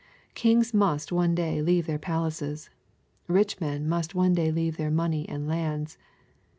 Kings must one day leave their palaces. Bich men must one day leave their money and lands.